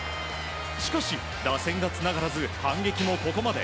しかし、打線がつながらず反撃もここまで。